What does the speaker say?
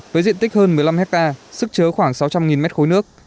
với diện tích hơn một mươi năm hectare sức chớ khoảng sáu trăm linh m ba nước